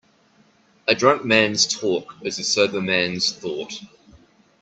A drunk man's talk is a sober man's thought.